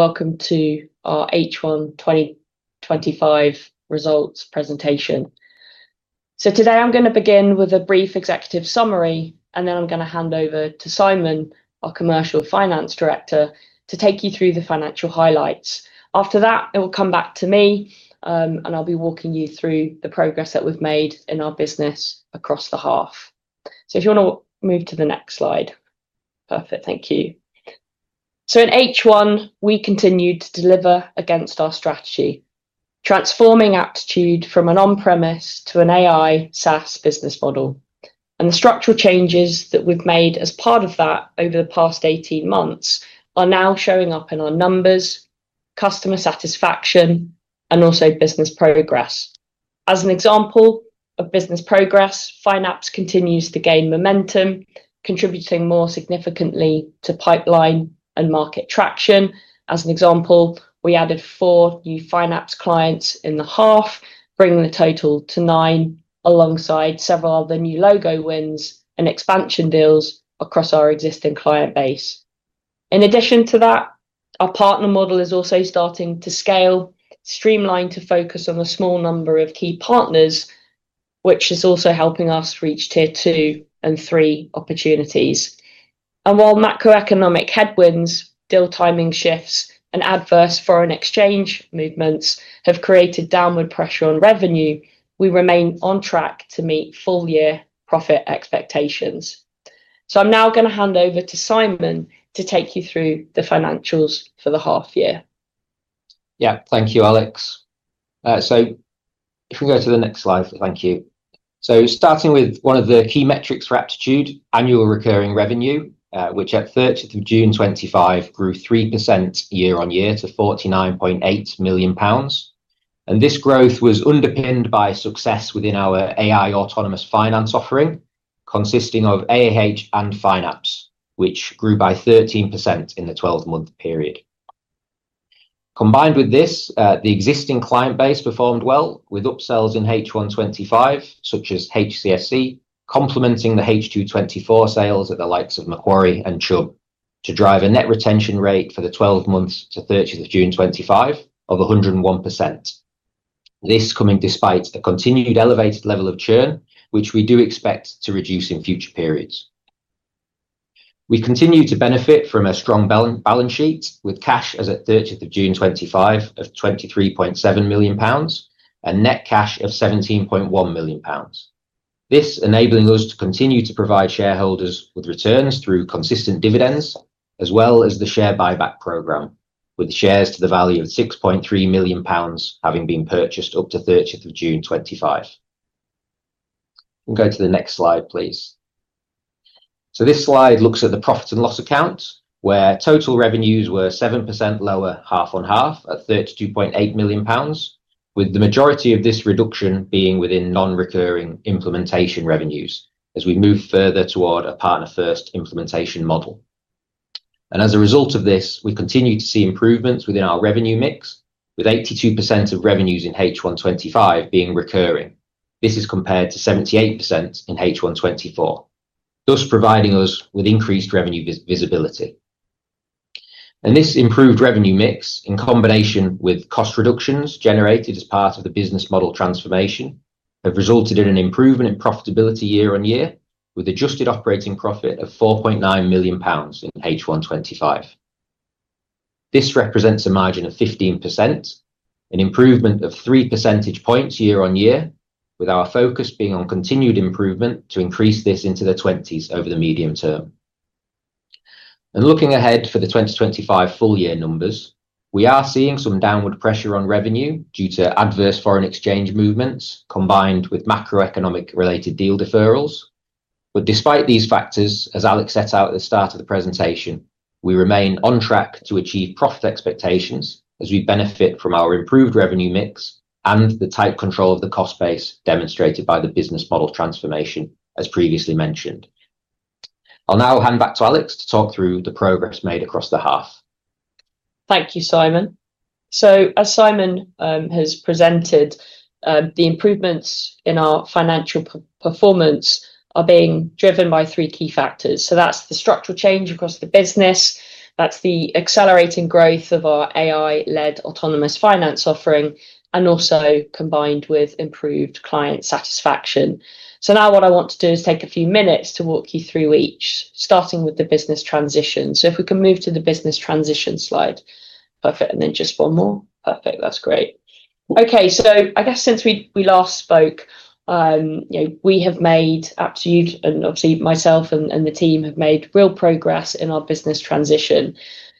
Welcome to our H1 2025 results presentation. Today I'm going to begin with a brief executive summary, and then I'm going to hand over to Simon, our Commercial Finance Director, to take you through the financial highlights. After that, it will come back to me, and I'll be walking you through the progress that we've made in our business across the half. If you want to move to the next slide. Perfect, thank you. In H1, we continued to deliver against our strategy, transforming Aptitude from an on-premise to an AI SaaS business model. The structural changes that we've made as part of that over the past 18 months are now showing up in our numbers, customer satisfaction, and also business progress. As an example of business progress, Fynapse continues to gain momentum, contributing more significantly to pipeline and market traction. As an example, we added four new Fynapse clients in the half, bringing the total to nine, alongside several other new logo wins and expansion deals across our existing client base. In addition to that, our partner model is also starting to scale, streamlined to focus on a small number of key partners, which is also helping us reach tier two and three opportunities. While macroeconomic headwinds, deal timing shifts, and adverse foreign exchange movements have created downward pressure on revenue, we remain on track to meet full-year profit expectations. I'm now going to hand over to Simon to take you through the financials for the half year. Yeah, thank you, Alex. If we go to the next slide, thank you. Starting with one of the key metrics for Aptitude, annual recurring revenue, which at 30th of June, 2025, grew 3% year-on-year to 49.8 million pounds. This growth was underpinned by success within our AI autonomous finance offering, consisting of Aptitude Accounting Hub and Fynapse, which grew by 13% in the 12-month period. Combined with this, the existing client base performed well with upsells in H1 2025, such as HCSC, complementing the H2 2024 sales at the likes of Macquarie and Chubb, to drive a net retention rate for the 12 months to 30th of June, 2025, of 101%. This comes despite a continued elevated level of churn, which we do expect to reduce in future periods. We continue to benefit from a strong balance sheet with cash as at 30th of June, 2025, of 23.7 million pounds and net cash of 17.1 million pounds. This enables us to continue to provide shareholders with returns through consistent dividends, as well as the share buyback program, with shares to the value of 6.3 million pounds having been purchased up to 30th of June, 2025. We'll go to the next slide, please. This slide looks at the profit and loss account, where total revenues were 7% lower half on half at 32.8 million pounds, with the majority of this reduction being within non-recurring implementation revenues as we move further toward a partner-first implementation model. As a result of this, we continue to see improvements within our revenue mix, with 82% of revenues in H1 2025 being recurring. This is compared to 78% in H1 2024, thus providing us with increased revenue visibility. This improved revenue mix, in combination with cost reductions generated as part of the business model transformation, has resulted in an improvement in profitability year-on-year, with adjusted operating profit of 4.9 million pounds in H1 2025. This represents a margin of 15%, an improvement of 3 percentage points year-on-year, with our focus being on continued improvement to increase this into the 20s over the medium term. Looking ahead for the 2025 full-year numbers, we are seeing some downward pressure on revenue due to adverse foreign exchange movements combined with macroeconomic related deal deferrals. Despite these factors, as Alex set out at the start of the presentation, we remain on track to achieve profit expectations as we benefit from our improved revenue mix and the tight control of the cost base demonstrated by the business model transformation, as previously mentioned. I'll now hand back to Alex to talk through the progress made across the half. Thank you, Simon. As Simon has presented, the improvements in our financial performance are being driven by three key factors. That's the structural change across the business, the accelerating growth of our AI-led autonomous finance offering, and also combined with improved client satisfaction. Now I want to take a few minutes to walk you through each, starting with the business transition. If we can move to the business transition slide. Perfect. And then just one more. Perfect. That's great. I guess since we last spoke, we have made Aptitude, and obviously myself and the team have made real progress in our business transition.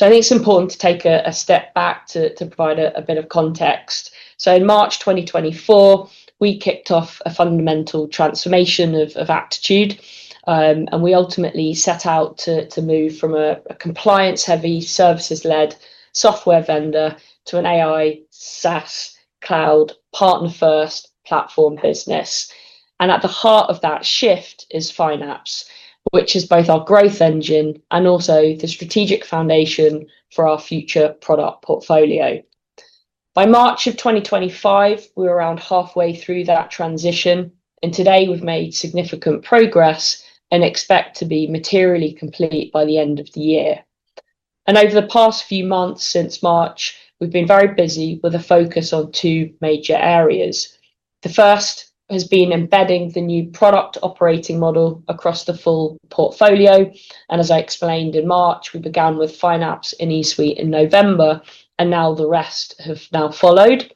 I think it's important to take a step back to provide a bit of context. In March 2024, we kicked off a fundamental transformation of Aptitude, and we ultimately set out to move from a compliance-heavy, services-led software vendor to an AI SaaS cloud partner-first platform business. At the heart of that shift is Fynapse, which is both our growth engine and also the strategic foundation for our future product portfolio. By March 2025, we were around halfway through that transition, and today we've made significant progress and expect to be materially complete by the end of the year. Over the past few months since March, we've been very busy with a focus on two major areas. The first has been embedding the new product operating model across the full portfolio. As I explained in March, we began with Fynapse in eSuite in November, and now the rest have now followed.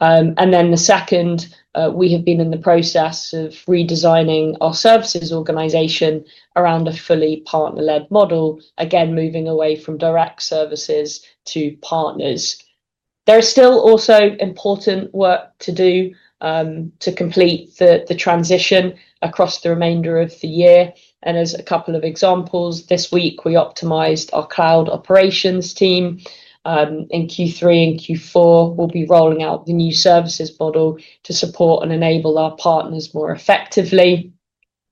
The second, we have been in the process of redesigning our services organization around a fully partner-led model, again moving away from direct services to partners. There is still also important work to do to complete the transition across the remainder of the year. As a couple of examples, this week we optimized our cloud operations team. In Q3 and Q4, we'll be rolling out the new services model to support and enable our partners more effectively.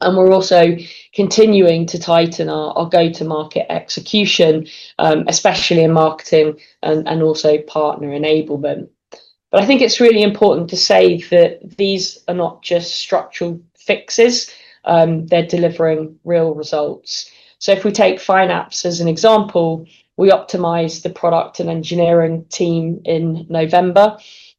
We're also continuing to tighten our go-to-market execution, especially in marketing and also partner enablement. I think it's really important to say that these are not just structural fixes; they're delivering real results. If we take Fynapse as an example, we optimized the product and engineering team in November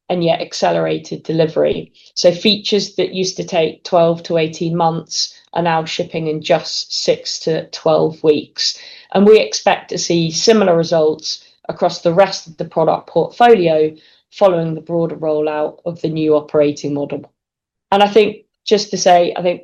and yet accelerated delivery. Features that used to take 12-18 months are now shipping in just 6-12 weeks. We expect to see similar results across the rest of the product portfolio following the broader rollout of the new operating model.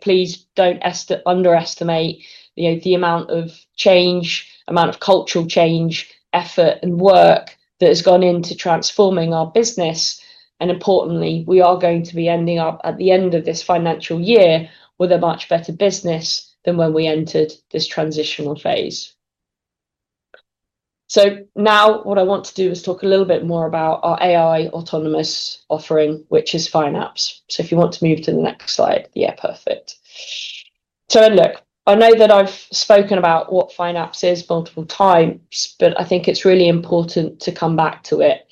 Please don't underestimate the amount of change, amount of cultural change, effort, and work that has gone into transforming our business. Importantly, we are going to be ending up at the end of this financial year with a much better business than when we entered this transitional phase. Now what I want to do is talk a little bit more about our AI autonomous offering, which is Fynapse. If you want to move to the next slide, perfect. I know that I've spoken about what Fynapse is multiple times, but I think it's really important to come back to it.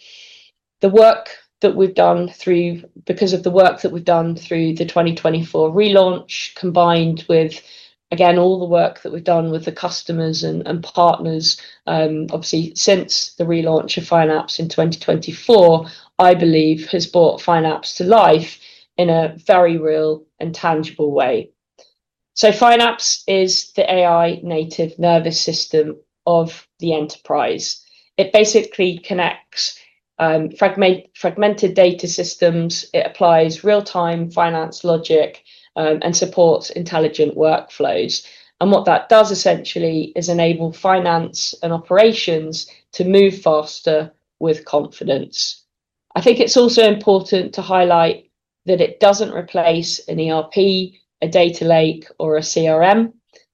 The work that we've done through the 2024 relaunch, combined with all the work that we've done with the customers and partners since the relaunch of Fynapse in 2024, I believe has brought Fynapse to life in a very real and tangible way. Fynapse is the AI-native nervous system of the enterprise. It basically connects fragmented data systems, applies real-time finance logic, and supports intelligent workflows. What that does essentially is enable finance and operations to move faster with confidence. It's also important to highlight that it doesn't replace an ERP, a data lake, or a CRM.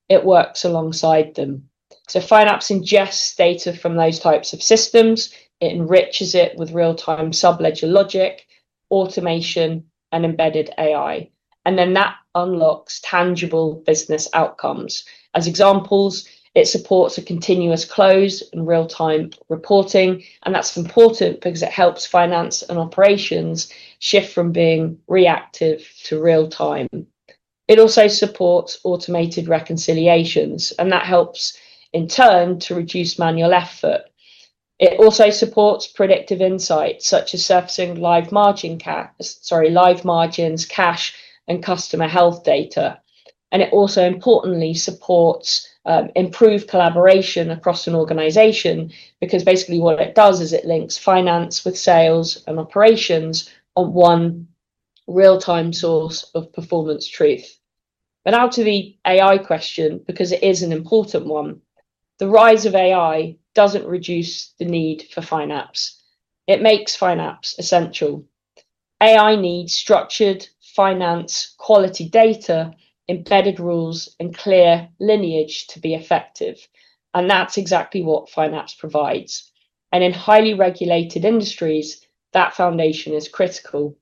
It works alongside them. Fynapse ingests data from those types of systems, enriches it with real-time subledger logic, automation, and embedded AI, and then that unlocks tangible business outcomes. As examples, it supports a continuous close and real-time reporting. That's important because it helps finance and operations shift from being reactive to real-time. It also supports automated reconciliations, and that helps in turn to reduce manual effort. It also supports predictive insights such as surfacing live margin cash and customer health data. Importantly, it supports improved collaboration across an organization because basically what it does is it links finance with sales and operations on one real-time source of performance truth. Now to the AI question, because it is an important one, the rise of AI doesn't reduce the need for Fynapse. It makes Fynapse essential. AI needs structured finance, quality data, embedded rules, and clear lineage to be effective. That's exactly what Fynapse provides. In highly regulated industries, that foundation is critical.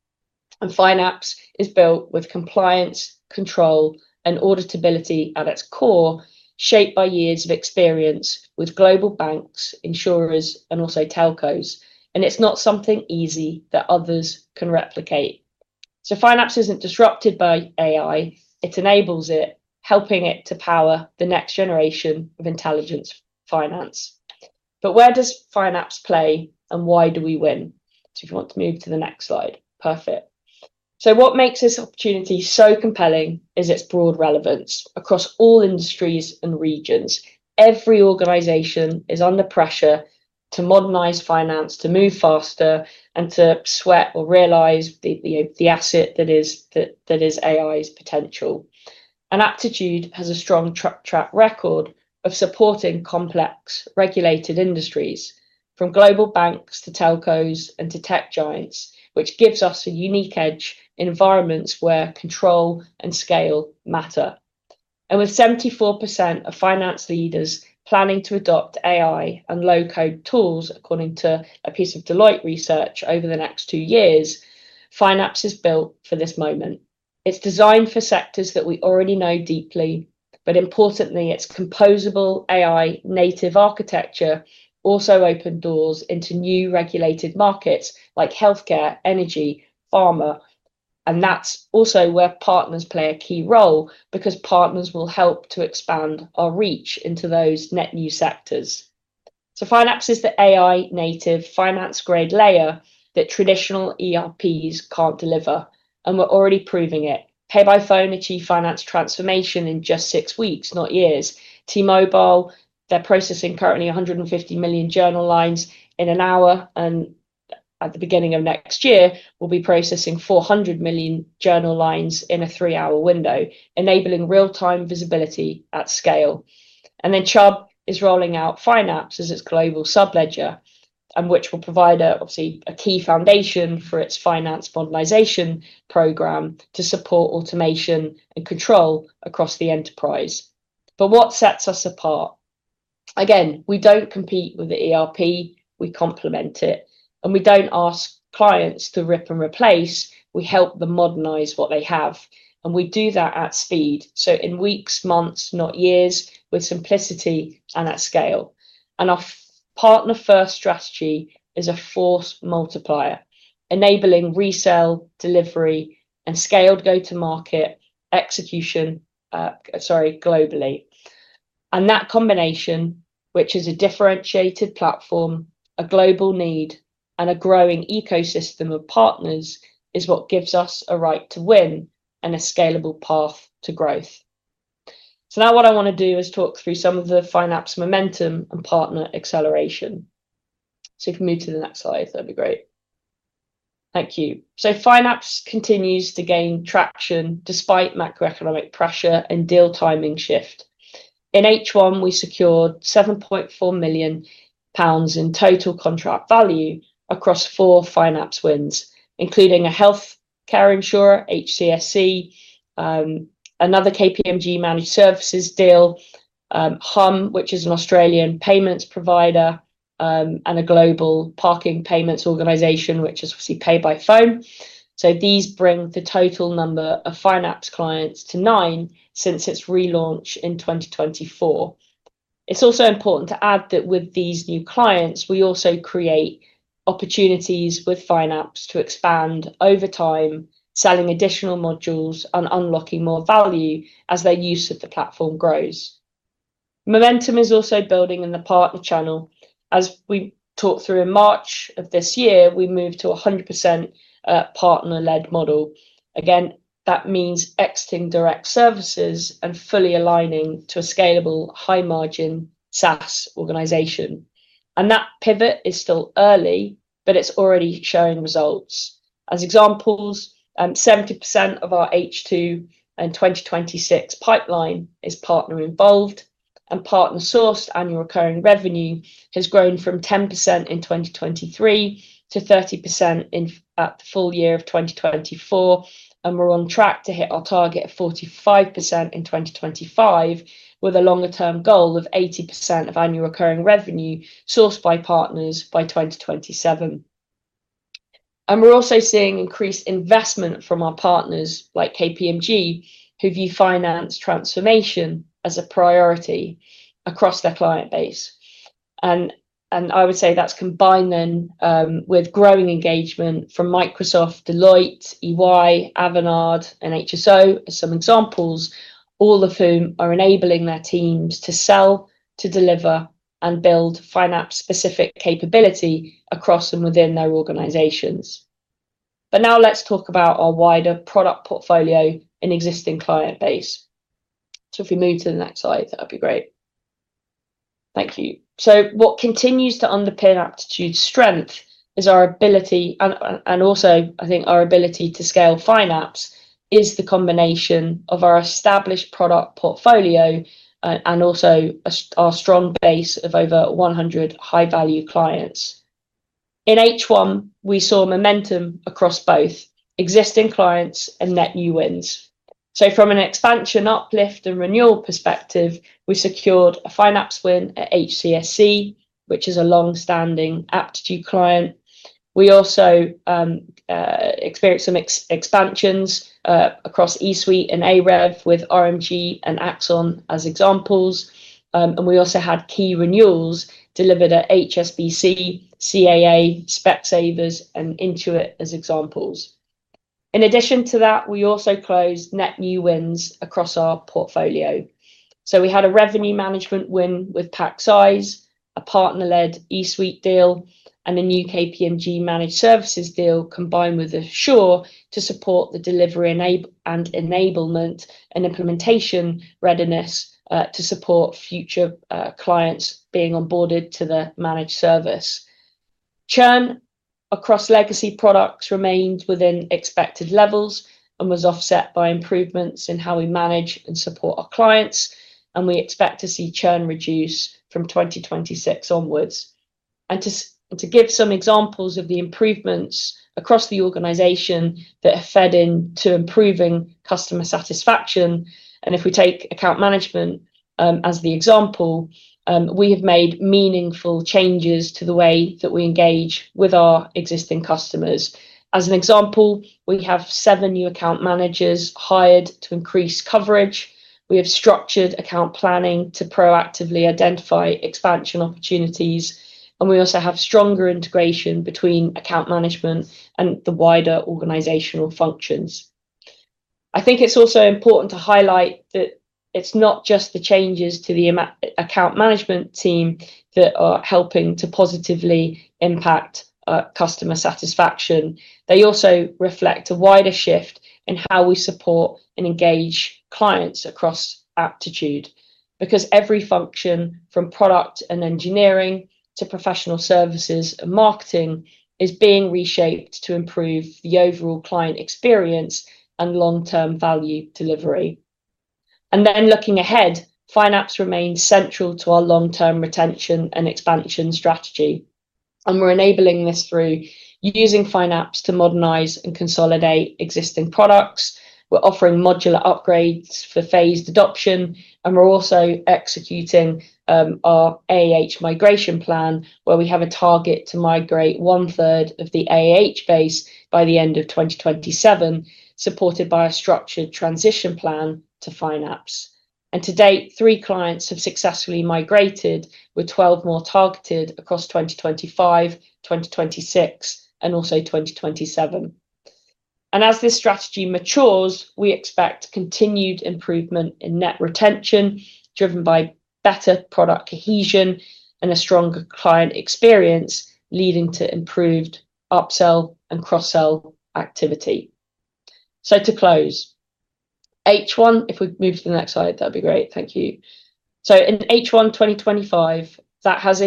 Fynapse is built with compliance, control, and auditability at its core, shaped by years of experience with global banks, insurers, and also telcos. It is not something easy that others can replicate. Fynapse is not disrupted by AI. It enables it, helping to power the next generation of intelligence finance. Where does Fynapse play and why do we win? If you want to move to the next slide. Perfect. What makes this opportunity so compelling is its broad relevance across all industries and regions. Every organization is under pressure to modernize finance, to move faster, and to sweat or realize the asset that is AI's potential. Aptitude has a strong track record of supporting complex regulated industries, from global banks to telcos and to tech giants, which gives us a unique edge in environments where control and scale matter. With 74% of finance leaders planning to adopt AI and low-code tools, according to a piece of Deloitte research, over the next two years, Fynapse is built for this moment. It is designed for sectors that we already know deeply, but importantly, its composable AI-native architecture also opens doors into new regulated markets like healthcare, energy, and pharma. That is also where partners play a key role because partners will help to expand our reach into those net new sectors. Fynapse is the AI-native finance-grade layer that traditional ERPs cannot deliver. We are already proving it. PayByPhone achieved finance transformation in just six weeks, not years. T-Mobile is processing currently 150 million journal lines in an hour, and at the beginning of next year, we will be processing 400 million journal lines in a three-hour window, enabling real-time visibility at scale. Chubb is rolling out Fynapse as its global subledger, which will provide a key foundation for its finance modernization program to support automation and control across the enterprise. What sets us apart? We do not compete with the ERP. We complement it. We do not ask clients to rip and replace. We help them modernize what they have. We do that at speed, in weeks, months, not years, with simplicity and at scale. Our partner-first strategy is a force multiplier, enabling resale, delivery, and scaled go-to-market execution globally. That combination, which is a differentiated platform, a global need, and a growing ecosystem of partners, is what gives us a right to win and a scalable path to growth. Now what I want to do is talk through some of the Fynapse momentum and partner acceleration. If you can move to the next slide, that'd be great. Thank you. Fynapse continues to gain traction despite macroeconomic pressure and deal timing shift. In H1, we secured 7.4 million pounds in total contract value across four Fynapse wins, including a healthcare insurer, HCSC, another KPMG managed services deal, Humm, which is an Australian payments provider, and a global parking payments organization, which is obviously PayByPhone. These bring the total number of Fynapse clients to nine since its relaunch in 2024. It's also important to add that with these new clients, we also create opportunities with Fynapse to expand over time, selling additional modules and unlocking more value as their use of the platform grows. Momentum is also building in the partner channel. As we talked through in March of this year, we moved to a 100% partner-led model. That means exiting direct services and fully aligning to a scalable, high-margin SaaS organization. That pivot is still early, but it's already showing results. As examples, 70% of our H2 and 2026 pipeline is partner-involved, and partner-sourced annual recurring revenue has grown from 10% in 2023 to 30% in the full year of 2024. We're on track to hit our target of 45% in 2025, with a longer-term goal of 80% of annual recurring revenue sourced by partners by 2027. We're also seeing increased investment from our partners like KPMG, who view finance transformation as a priority across their client base. I would say that's combined then with growing engagement from Microsoft, Deloitte, EY, Avanade, and HSO as some examples, all of whom are enabling their teams to sell, to deliver, and build Fynapse-specific capability across and within their organizations. Now let's talk about our wider product portfolio and existing client base. If we move to the next slide, that'd be great. Thank you. What continues to underpin Aptitude Software Group plc's strength is our ability, and also I think our ability to scale Fynapse, is the combination of our established product portfolio and also our strong base of over 100 high-value clients. In H1, we saw momentum across both existing clients and net new wins. From an expansion, uplift, and renewal perspective, we secured a Fynapse win at HCSC, which is a longstanding Aptitude client. We also experienced some expansions across eSuite and AREV with RMG and Axon as examples. We also had key renewals delivered at HSBC, CAA, Specsavers, and Intuit as examples. In addition to that, we closed net new wins across our portfolio. We had a revenue management win with Packsize, a partner-led eSuite deal, and a new KPMG managed services deal combined with Assure to support the delivery and enablement and implementation readiness to support future clients being onboarded to the managed service. Churn across legacy products remains within expected levels and was offset by improvements in how we manage and support our clients. We expect to see churn reduce from 2026 onwards. To give some examples of the improvements across the organization that are fed into improving customer satisfaction, if we take account management as the example, we have made meaningful changes to the way that we engage with our existing customers. As an example, we have seven new account managers hired to increase coverage. We have structured account planning to proactively identify expansion opportunities. We also have stronger integration between account management and the wider organizational functions. It's also important to highlight that it's not just the changes to the account management team that are helping to positively impact customer satisfaction. They also reflect a wider shift in how we support and engage clients across Aptitude. Every function from product and engineering to professional services and marketing is being reshaped to improve the overall client experience and long-term value delivery. Looking ahead, Fynapse remains central to our long-term retention and expansion strategy. We're enabling this through using Fynapse to modernize and consolidate existing products. We're offering modular upgrades for phased adoption. We're also executing our Aptitude Accounting Hub AAH migration plan, where we have a target to migrate one-third of the AAH base by the end of 2027, supported by a structured transition plan to Fynapse. To date, three clients have successfully migrated, with 12 more targeted across 2025, 2026, and also 2027. As this strategy matures, we expect continued improvement in net retention, driven by better product cohesion and a stronger client experience, leading to improved upsell and cross-sell activity. To close, H1, if we move to the next slide, that'd be great. Thank you. In H1 2025, that has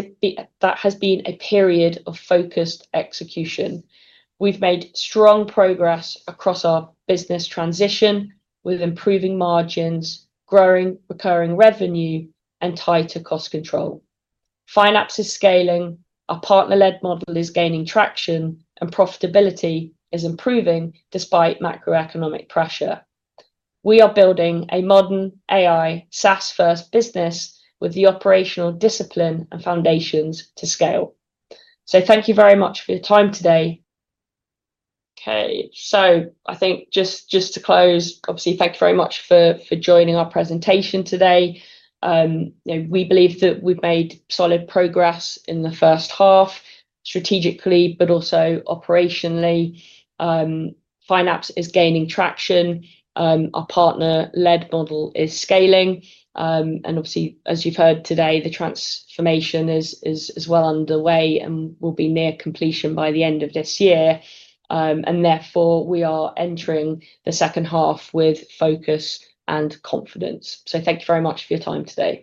been a period of focused execution. We've made strong progress across our business transition, with improving margins, growing recurring revenue, and tighter cost control. Fynapse is scaling, our partner-led model is gaining traction, and profitability is improving despite macroeconomic pressure. We are building a modern AI SaaS-first business with the operational discipline and foundations to scale. Thank you very much for your time today. I think just to close, obviously, thank you very much for joining our presentation today. We believe that we've made solid progress in the first half, strategically, but also operationally. Fynapse is gaining traction. Our partner-led model is scaling. Obviously, as you've heard today, the transformation is well underway and will be near completion by the end of this year. Therefore, we are entering the second half with focus and confidence. Thank you very much for your time today.